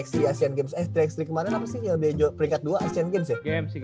karena menurut gue sandi punya defense yang lumayan juga ya dibandingin juan